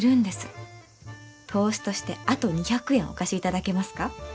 投資としてあと２００円お貸しいただけますか？